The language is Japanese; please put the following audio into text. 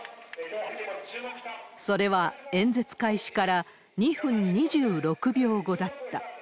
それは、演説開始から２分２６秒後だった。